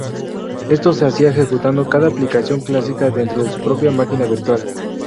Esto se hacía ejecutando cada aplicación clásica dentro de su propia máquina virtual.